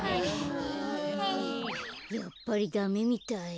やっぱりダメみたい。